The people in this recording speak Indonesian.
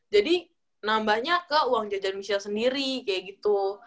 jadi nambahnya ke uang jajan michelle sendiri kayak gitu